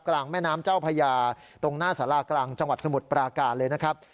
กลางแม่น้ำเจ้าพญาตรงหน้าสารากลางจังหวัดสมุทรปราการเลยนะครับ